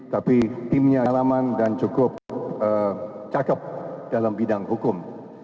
tapi timnya alaman dan cukup cakep dalam bidang hukum